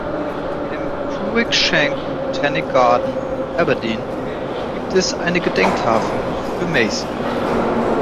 Im Cruickshank Botanic Garden, Old Aberdeen, gibt es eine Gedenktafel für Masson.